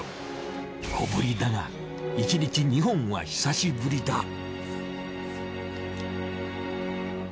小ぶりだが１日２本は久しぶりだ。